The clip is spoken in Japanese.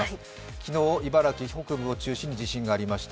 昨日、茨城北部を中心に地震がありました。